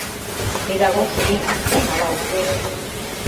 — Педагогшо лийын шуктем ала уке...»